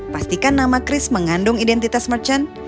pastikan nama chris mengandung identitas merchant